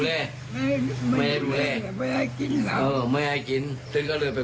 เสียใจเสียเเสียใจ